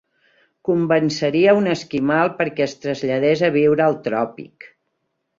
Convenceria un esquimal perquè es traslladés a viure al tròpic.